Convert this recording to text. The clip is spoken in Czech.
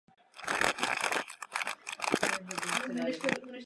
V Belgii studoval se svými bývalýni spolužáky z kroměřížského gymnázia.